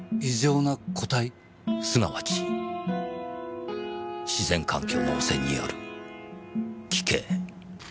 すなわち自然環境の汚染による奇形。